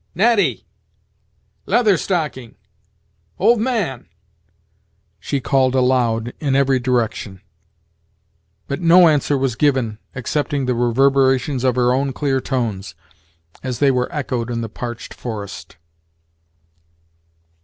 "Natty! Leather Stocking! old man!" she called aloud, in every direction; but no answer was given, excepting the reverberations of her own clear tones, as they were echoed in the parched forest.